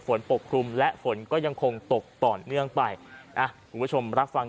ปกคลุมและฝนก็ยังคงตกต่อเนื่องไปอ่ะคุณผู้ชมรับฟัง